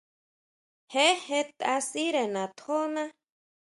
Je jetʼa sʼíre natjóná.